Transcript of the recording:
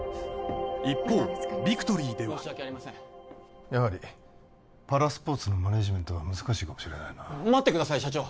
一方ビクトリーではやはりパラスポーツのマネージメントは難しいかもしれないな待ってください社長！